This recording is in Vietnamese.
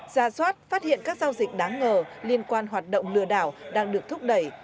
ra soát phát hiện các giao dịch đáng ngờ liên quan hoạt động lừa đảo đang được thúc đẩy